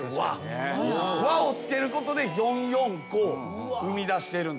「わ」をつけることで４・４・５を生みだしているんですね。